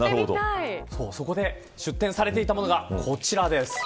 そこで出展されていたのがこちらです。